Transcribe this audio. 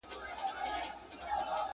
o خپل عېب د ولو منځ دئ٫